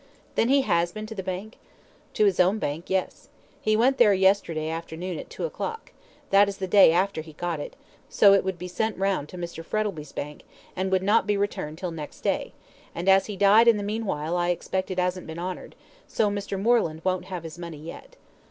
"Then he has been to the bank?" "To his own bank, yes. He went there yesterday afternoon at two o'clock that is the day after he got it so it would be sent round to Mr. Frettlby's bank, and would not be returned till next day, and as he died in the meanwhile I expect it hasn't been honoured, so Mr. Moreland won't have his money yet."